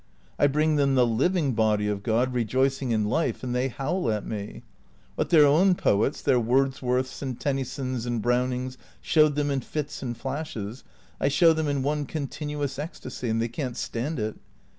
I bring them the living body of God rejoicing in life, and they howl at me. What their own poets, their Wordsworths and Tennysons and Brownings showed them in fits and flashes, I show them in one continuous ecstasy, and they can't stand it.